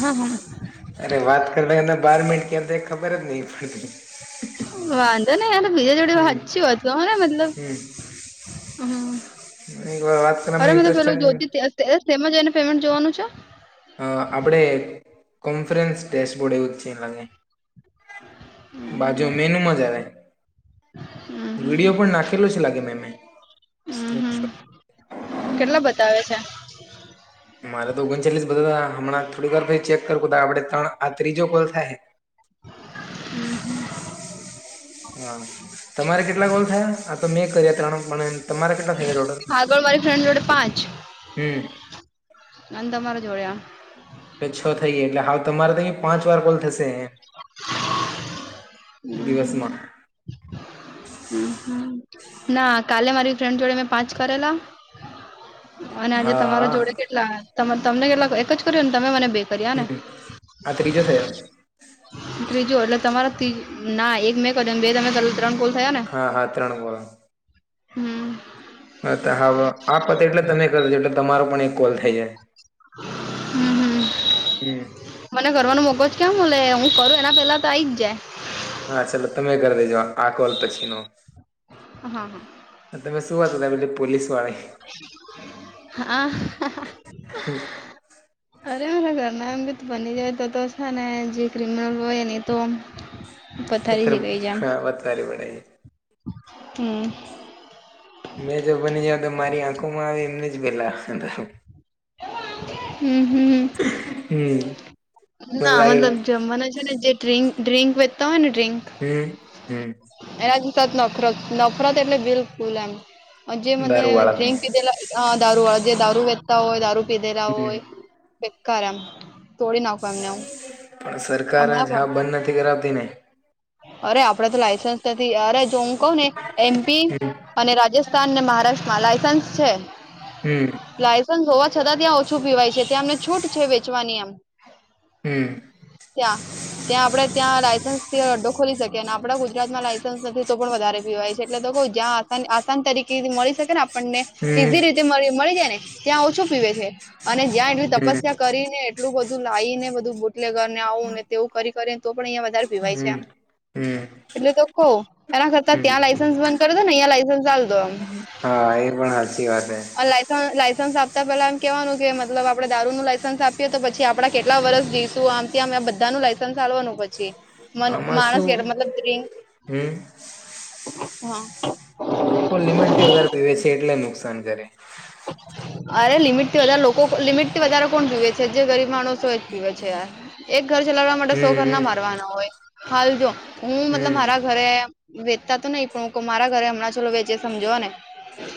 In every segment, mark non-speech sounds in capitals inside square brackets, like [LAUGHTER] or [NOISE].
હા હા. અરે વાત કર એને બાર મિનટ ક્યાં જાય ખબર જ નહી પડતી. વાંધો ને તો બીજા જોડે હમ વાચચી હતું હો ને મતલબ. હમ હમ્મ એક વાર વાત અરે કરવામાં મે તો ઇન્ટરેસ્ટ પેલું જોતી તી અસ્ત તેજ સેમાં જઈને પેમેન્ટ જોવાનું છે. અ આપણેે કોન્ફરન્સ ડેશબોર્ડ એવું છે લાગે. બાજુ મેનુ જા આવે હમ હમ વિડીયો પણ નાખ કેટલું છે લાગે મે હમ હમ સ્ક્રીપશોટ. કેટલા બતાવે છે. મારે તો ઓગણચાલીસ બધા હતા હમણાં થોડી વાર ચેક કરું તા આપડે ત્રણ આ ત્રીજો કોલ થાય. હમ્મ. હા તમારે કેટલા કોલ થયા આ તો મેં કર્યા ત્રણ પણ તમારે કેટલા થયા ટોટલ. પણ મારી ફ્રન્ટ જોડે પાંચ. હમ્મ. અને તમારે જોડે આ. તો છ થઈ ગયા એટલે હાલ તમારે તો અં પાંચ વાર કોલ થશે. તે દિવસમાં. ના કાલે મારી ફ્રેન્ડ જોડે મેં પાંચ કરેલા. અને આજે તમારા જોડે હા કેટલા તમ તમને કેટલા એક જ કર્યું ને તમે મને બે કર્યા ને હમ્મ આ ત્રીજો થયો. ત્રીજો એટલે તમારા ત્રી ના એક મેં કર્યું બે તમે કર્યું ત્રણ કોલ થયા ને. હા હા ત્રણ કોલ. હમ હા હા આપ પતે એટલે તમે કરજો એટલે તમારો પણ એક કોલ થઈ જાય. હમ હમ હમ્મ. મને ઘરવાનું મોકો ક્યાં મલે હું કરું એના પેલા તો આઈ જ જાય. હા ચાલો તમે ઘરે દેજો આ કોલ પછી નો. હા હા. હા તમે શું વાત તમે પેલા પોલીસ. વાળી હા. અરે મારા ઘરના એમ બી બની જાય તો તો છે ને જે ક્રિમિનલ હોય એની તો. પથારી પત્રરમ હ પતરી પણે. હમ્મ. મેં જો બની જાવ તો મારી આંખોમાં આવે એમને જ પેલા હમ હમ હ મને ના લાગે મતલબ જમવાના છેને, જે ડ્ર ડ્રિંક વેચતા હોય ને ડ્રિંક હમ્મ હમ્મ. એનાથી તો નફરત નફરત એટલે બિલકુલ એમ જે મને દારૂ વાળાથી ડ્રિન્ક પીધેલા અ દારૂ જે દારૂ વેચતા હોય દારૂ પીધેલા હમ હોય બેકાર એમ. તોડી નાખો એમને હું પણ સરકાર હમણાં જ પણ હા બંધ નથી કરાવતી ને. અરે આપડે તો લાઈસન્સ નથી અરે જો હું કહું ને એમપી અને રાજસ્થાનને મહારાષ્ટ્રમાં લાયસન્સ છે. હમ્મ લાયસન્સ હોવા છતાં ત્યાં ઓછું પીવાય છે ત્યાં અમને છૂટ છે, વેચવાની એમ હમ્મ ત્યાં ત્યાં આપડે ત્યાં લાયસન્સડો ખોલી શકીએ અને આપણા ગુજરાતમાં લાાયસન્સ નથી તો પણ વધારે પીવાય છે એટલે લોકો જ્યાં આ આસાન તરીકેથી મળી શકે ને આપણે આપને હમ ઈઝી રીતે મળી જાય ને ત્યાં ઓછું પીવે છે. અને જ્યાં એટલી હમ તપસ્યા કરીને એટલું બધું લાવી ને બધું બુટલે ઘર ને આવું ને તેવું કરી કરી તો પણ અહં વધારે પીવાય છે આમ હમ્મ હો એના કરતા ત્યાં લયસન્સ બંધ કરતો લયસન્સ ચાલી રાખો હા એ પણ સાચી વાત છે. લાયસન્સ આપતા પેલા એમ ક કેવાનું કે મતલબ આપણે દારૂનું લાયસન્સ આપીએ તો પછી આપડા કેટલા વર્ષ જઈશ તું આમ ત આમ બધા નું લાયસન્સ આપવાનું પછી મ આમાં માણસ શું [INAUDIBLE] મતલબ રિક હમ હા લોકો લિમિટ થી વધારે પીવે છે એટલે નુકસાન કરે અરે લિમિટથી વધારે લોકો લિમિટથી વધારે કોણ પીવે છે, જે ગરીબ માણસો જ પીવે છે યાર એક ઘર ચલાવવા માટે સો ઘરના હમ મારવાના હોય હાલ, જો હું મતલબ હમ મારા ઘરે વેચતા તો નહિ પણ હ મારા ઘરે હમણાં ચાલો વેચે સમજો ને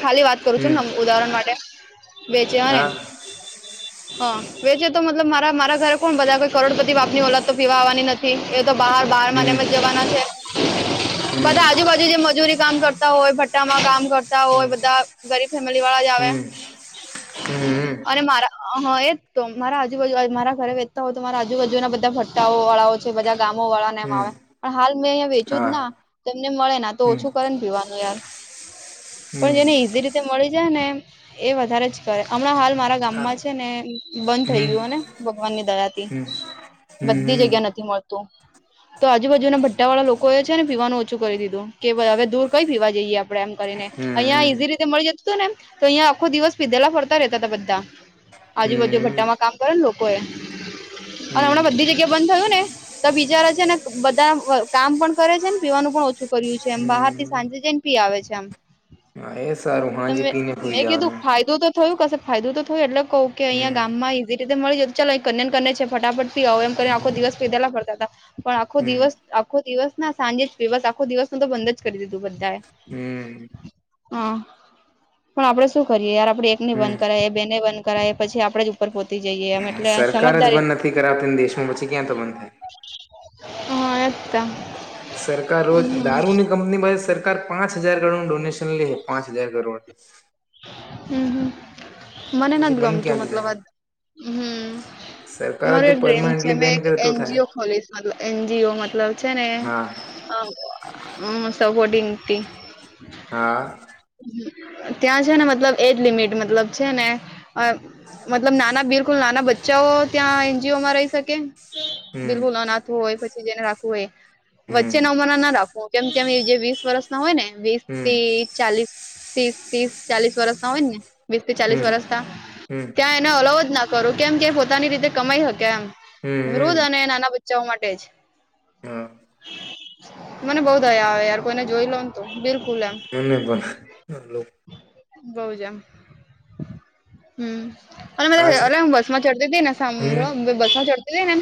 ખાલી વાત કરું હમ છુને ઉદાહરણ માટે વેચેવા એમ હા હા વેચે તો મતલબ મારા મારા ઘરે કોણ બધા કોઈ કરોડપતિ બાપની ઓલાદ તો પીવા આવવાની નથી એ તો બહાર બાર હમ મને જ જવાના છે હમ બધા આજુબાજુ જે મજૂરી કામ કરતા હોય ભટ્ટામાં કામ કરતા હોય, હમ બધા ગરીબ વાળા જ આવે હમ હમ અને મારા હા એ તો મારા આજુબાજુ મારા ઘરે વેચતા હોય, તો મારા આજુબાજુના બધા ફટ્ટાઓ વાળાઓ છે બધા ગામો વાળાને એમ હમ આવે પણ હાલ મેં અહંયા વેચ્યું જ હા ના તમને મળે ને તો હમ ઓછું કરે ને પીવાનું યાર પણ હમ જેને ઈઝી રીતે મળી જાય ને એ વધારે જ કરે હમણાં હાલ મારા ગામ આ માં છે ને બંધ થઈ હમ ગયુંને ભગવાન ની દયાથી હમ હમ હમ બધી જગ્યા નથી મળતું. તો આજુબાજુના ભથ્થા વાળા લોકોએ છે ને પીવાનું ઓછું કરી દીધું કે હવે દૂર કઈ પીવા જઈએ આપ એમ કરીને અહિયાં ઈઝી રીતે મળી જતું હતું ને તો અહં આખો દિવસ પીધેલા ફરતા રતા હતા બધા હમ આજુબાજુ હમ ભાગમાં કામ કરે ને લોકો એ અને હમ હમણાં બધી જગ્યા બંધ થયું ને તો બિચારા છે ને બધા કામ પણ કરે છે ને પીવાનું પણ ઓછું કર્યું છે એમ બહાર થી સાંજે જઈને [INAUDIBLE] આવે છે, આમ હ એ સારુ તમે મેં કીધું ફાયદું તો થયું કશે ફાયદું તો થયું એટલે કવ કે અહીયા હમ ગામમાં ઈ રીતે મળી જ ચાલ કન્યાન કરને છે ફટાફટ પી આવો એમ કરી આખો હમ દિવસ પીધેલા પડતા હતા પણ આખો હમ દિવસ આખો દિવસ ના સાંજે જ બસ આખો દિવસ ન તો બંધ જ કરી દીધું બધાએ હમ અં પણ આપણે શું કરીએ યાર આપણે એકને બંધ હમ કરાય બે ને બંધ કરાય પછી આપડે પર પોતી જઈએ એમ એટલે સરકાર જ સમજદારી બંધ નથી કરાવતી દેશમાં પછી ક્યાં તો બંધ થાય. હ એ સરકાર રોજ દારૂની કંપનીમાં સરકાર પાંચ હજાર કરોડ ડોનેશન લે પાંચ હજાર કરોડ હમ હમ મને નથી, પછી બંધ ગમતું ક્યાંથી મતલબ થાય આ હમ સરકાર મારું જો એક ડ્રીમ છે પરમાનન્ટલી મેં બેન એક કરે તો થાય એનજીઓ ખોલીશ એનજીઓ મતલબ છેને હા હા હમ સગોડી એમ હા. હમ્મ ત્યાં છે ને મતલબ એજ લિમિટ મતલબ છે ને મતલબ નાના બિલકુલ નાના બચ્ચે ચ ત્યાં એનજીઓમાં રઈ સકે હમ બિલકુલ અનાથો હોય પછી જેને રાખવું હોય એ. વચ્ચે હમ નમ ના ના રાખવું કેમ કે જે વીસ વર્ષ ના હોય ને વીસ હમ થી ચાલીસ તીસ તીસ ચાલીસ વરસ ના હોય ને વીસ થી ચાલીસ હમ વરસ ના હમ ત્યાં ને અલવ જ ના કરું કેમ કે પોતાની રીતે કમાઈ હકે એમ, હમ હમ વુદ્ધ અને નાના બ ચ ઓ માટે જ હા મને બઉ દયા આવે યાર કોઈને જોઈ લોન તો બિલકુલ એમ મને પણ બઉ જ એમ હમ અને આજ બધા અ અલા બસ માં ચડતી તી ને હમ સાંભળો બસ માં ચડતી તી ને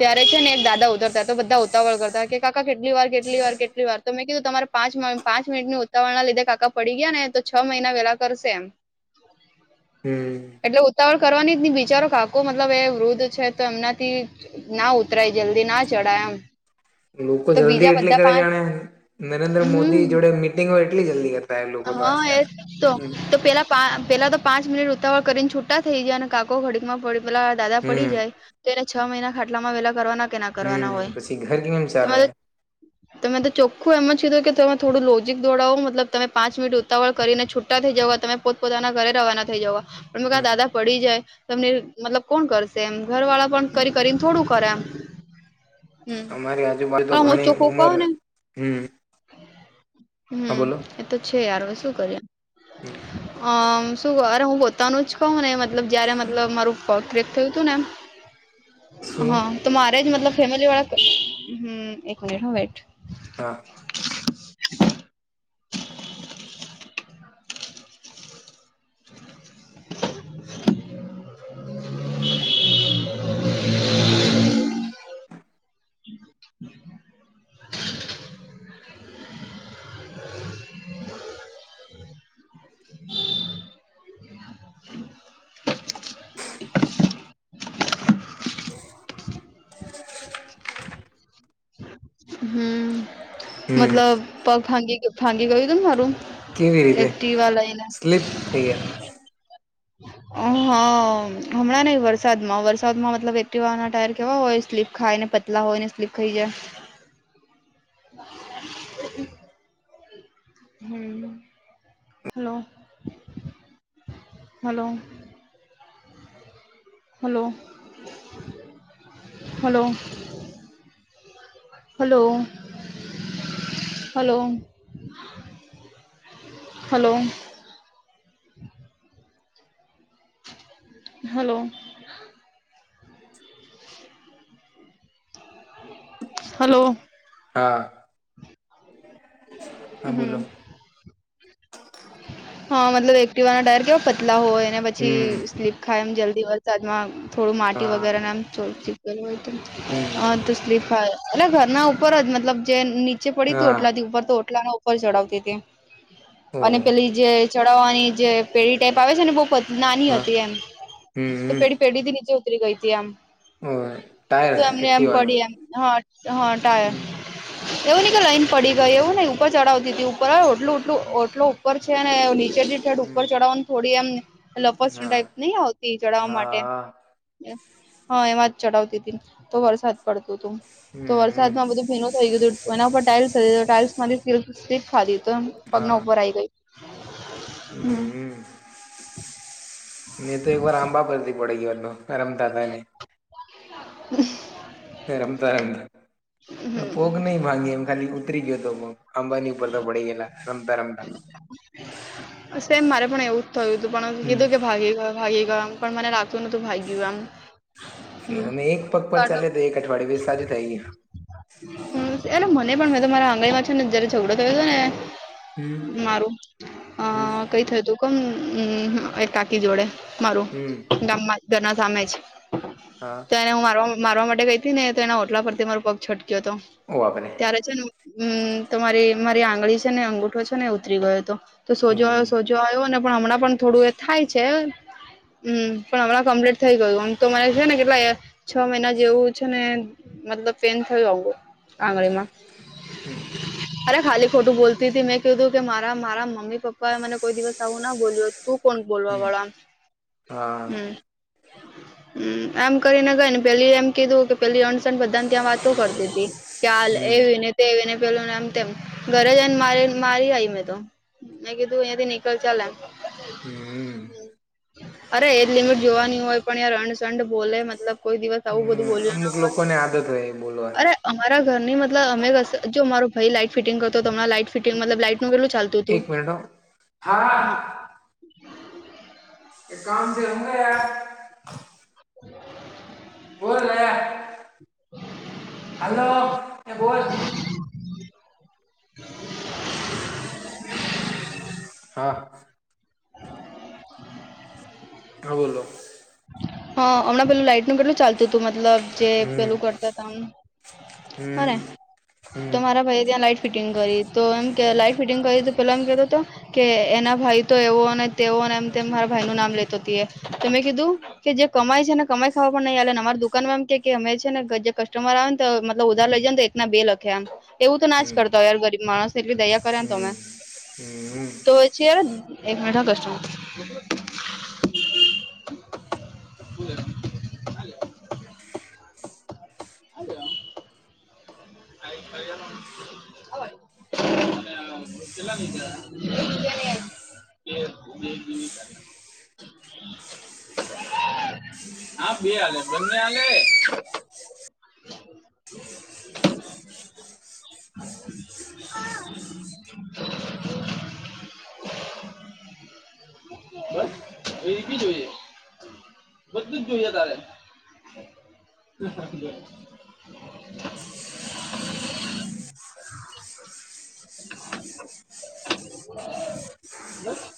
ત્યારે છે ને દાદા ઉતરતા તો બધા ઉતાવળ કરતા કે કાકા કેટલી વાર, કેટલી વાર, કેટલી વાર તો મેં કીધું તમારે પાંચ- પાંચ મિનટ ઉતાવરના લીધે કાકા પડી ગીયા ને તો છ મહિના વેલા કરશે એમ. હમ એટલે ઉતાવળ કરવાની જ બિચારો કાકો મતલબ એ વૃદ્ધ છે તો એમનાથી ના ઉતરાય જલ્દી, ના ચઢાય એમ. લોકો તો જલ્દી બીજા એટલી બધા કરે પાંચ જેણે નરેન્દ્ર મોદી હમ જોડે મીટિંગ ઓય એટલી જલ્દી કરે. હા એ તો, તો પેલા પેલા તો પાંચ મિનિટ ઉતાવળ કરીને છૂટા થઈ જાય અને કાકો ઘડીકમાં પડી પેલા દાદા પડી હમ જાય તેને છ મહિના ખાટલામાં વેલા કરવાના કે ના કરવાના હોય હમ પછી ઘર કેમ તો ચાલે મેતો ત મે તો ચોખ્ખું એમ જ કીધું કે તમે થોડું લોજીક દોડાવો મતલબ તમે પાંચ મિનિટ ઉતાવળ કરીને છૂટા થઈ જવા, તમે પોત પોતાના ઘરે રવાના થઈ જવા. પણ હમ દાદા પડી જાય તમને મતલબ કોણ કરસે એમ ઘર વાળા પણ કરી કરીને થોડુંક પરામ અમારી આજુબાજુ તો ઘણી ઉંમર હમ્મ હમ્મ, એતો છે યાર. હવે શું કર્યે? અ શું કર હું પોતાનું જ કહું ને મતલબ જયારે મતલબ મારું પટ ક્રેક થયું તું નેમ હ શું તો મારેજ મતલબ ફેમલી વાળા હ એક મિટ હ વેટ હા. હ. હમ્મ, હમ મતલબ પગ ફાંગી ફાગી ગયું તું ને મારું કેવી રીતે? એક્ટિવા લઈને સ્લીપ થઈ ગયા? હ હમણાં નઈ વરસાદમાં-વરસાદમાં મતલબ એક્ટિવાના ટાયર કેવા હોય સ્લીપ ખાયને પતલા હોય ને સ્લીપ ખઇ જાય. હમ, hello hello. Hello- hello. Hello, hello. Hello. Hello. Hello. હા. હા ઉહુમ. બોલો હા મતલબ એક્ટવાના ટાયર કેવા પતલા હોય. અને પછી હમ સ્લીપ ખાય એમ જલ્દી વરસાદમાં થોડું માટી હા વગેરેને એમો થો ચી હમ હ તો સ્લીફાય એટ ઘરના ઉપર જ મતલબ જે ની ચે પડી હતી હા ઓટલાથી ઉપર તો ઓટલા ન ઉપર ચડાવતી હતી ઓ અને પેલી જે ચડાવવાની જે પેઢી ટાઈપ આવે છે ને બહ નાની હા હતી એમ હમ તો હમ પેઢ પેઢી થી નીચે ઉતરી ગઈ તી આમ. ઓ ટાયર તો એમને એમ એક્ટિવાનું પડી એમ [UNINTELLIGIBLE] હમ એવું નહિ કે લઈન પડી ગયો એવું નઈ ઉપર ચડાવતી તી ઉપર ઓટલુંટલુંઓટલું. ઉપર છે ને નીચે નીઠે હમ ઉપર ચડાવવાનું થોડી એમ લપસ હા ટાઈપ નહ આવતી ચડાવવા માટે હા હા એમાં જ ચડાવતી હતી તો વરસાદ પડતું તું તો હમ વરસાદમાં બધું ભીનું થઈ ગયું તો એના પર ટાઇલ્સ રે ટાઇલ્સમાંથી સ્લિપ ખાધી તો હા પગના ઉપર આઈ ગઈ હમ્મ હમ તો એક વાર આંબા પરથી પડે ગયા વાત રમતા ત નને [UNINTELLIGIBLE] પણ પોગ નહી ભાંગી એમ ખાલી ઉતરી ગયો હતોગ અંબાની ઉપર તો પડી ગેલા રમતા રમતા સેમ મારે પણ એવું થયું તું પણ હમ કીધું કે ભાગી ગયો ભાગી ગયો એમ પણ મને લાગતું નતું ભાગ ગયું આમ ફ અમે એક પગ પર ચાલે તો એક અઠવાડય વ સાજું થાય ગય એ મને પણ તો મારા આંગળીમાં છે ને જયારે ઝઘડો થયો હતો ને હમ મારું અ હમ કઈ થતું [UNINTELLIGIBLE] એ કાકી જોડે? મારું હમ ગામમાં ઘરના સામે જ હા તો હું મારવા મારવા માટે ગઈ હતી ને તો એના હોટલા પરથી મારો પગ છટક્યો હતો ઓ બાપરે ત્યારે છે ને હમ્મ તો મારી મારી આંગળી છે ને અંગુઠો છે ને ઉતરી ગયોતો તો સોજો હમ આવ્યો સોજો આવ્યો ને પણ હમણાં પણ થોડું એ થાય છે હમ્મ પણ હમણાં કમ્પ્લીટ થઇ ગયું આમ તો મને છે ને કેટલા છ મહિના જેવું છે ને મતલબ પેન થયું આવુ આંગળીમાં અરે ખાલી ખોટું બોલતી તી મેં કીધુ કે મારા મારા મમ્મી પપ્પા મને કોઈ દિવસ આવું ના બોલ્યું હોય તું કોણ બોલવા હમ વાળા આમ હા હમ્મ. હમ્મ એમ કરીને ગઈ ને પેલી એમ કીધું કે પેલી અણસણ બધા ને ત્યાં વાત તો કરતી હતી ક્યાલ હમ એ [UNINTELLIGIBLE] તેવીને પેલુંનેમ તેમ ઘરે જયને મારી મારી આવી મેં તો મેં કીધું અહિયાથી નીકળ ચાલે એમ હમ. અરે એજ લિમિટ જોવાની હોય પણ યાર [UNINTELLIGIBLE] ચંડ બોલે મતલબ કોઈ દિવસ આવું બધું બોલ્યો ના હોય કોને આદત હોય એ બોલવા અરે અમારા ઘરની મતલબ અમે કશે જો મારો ભાઈ લાઈટ ફિટિંગ કરતો તો તમણા લાઈટ ફિટિંગ મતલબ લાઈટનું કેટલું ચાલ એક મનીટ હ હા [UNINTELLIGIBLE] [INAUDIBLE] બોલ નયા હાલો એ બોલ હા [UNINTELLIGIBLE] હ અમણાં પેલું લાઈટનું કેટલું ચાલતુંતું મતલબ જે હમ પેલું કરતા હતા ને, એને હમ તો, હમ મારા ભાઈ ત્યાં લાઈટ ફિટિંગ કરી તો એમ લાઈટ ફિટિંગ કરી પેલા એમ કેતો તો કે એના ભાઈ તો એવોને તેવોને એમ તેમ મારા ભાઈનું નામ લેતો તેએ ત મે કીધું કે જે કમાય છે ને કમાય ખાવા પણ નહીં આલેન અમાર દુકાનમાં અમકે કે અમે છે [UNINTELLIGIBLE] જે કસ્ટમર આવેન તો મતલબ ઉધાર લઈ જાયન તો એક ના બે લખયા એવું તો ના જ હમ કરતા હોય યાર ગરીબ માણસ એટલી દયા કર્યાને તમે તો છ એક મિટ હો કસ્ટમર [INAUDIBLE] હુ છે? [INAUDIBLE] [INAUDIBLE] [UNINTELLIGIBLE] કેટલાની છે આ [INAUDIBLE] [INAUDIBLE] [UNINTELLIGIBLE] હા બેય હાલે બંને હાલે [INAUDIBLE] [INAUDIBLE] [UNINTELLIGIBLE] કોઈ બી જોઈએ. બધું જ જોઈએ તારે? [INAUDIBLE] [INAUDIBLE] ને બસ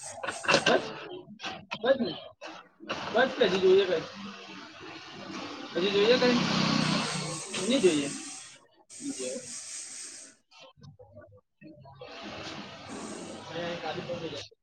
બસ ને, બસ ને જીજુ [INAUDIBLE] પછી જોઈએ કઈ.? નહી જોઈએ? [INAUDIBLE]